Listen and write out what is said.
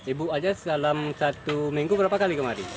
ibu aja dalam satu minggu berapa kali kemarin